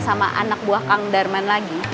sama anak buah kang darman lagi